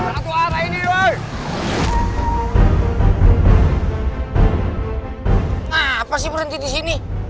kenapa sih berhenti disini